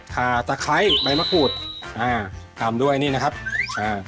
ขาตะไคร้ใบมะกรูดอ่าตามด้วยนี่นะครับอ่า